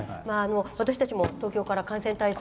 私たちも東京から感染対策